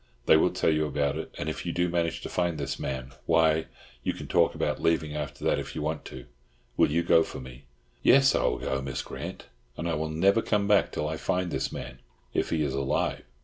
They will tell you all about it; and if you do manage to find this man, why, you can talk about leaving after that if you want to. Will you go for me?" "Yes. I will go, Miss Grant; and I will never come back till I find this man—if he is alive."